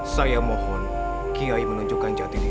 saya mohon kiai menunjukkan jati diri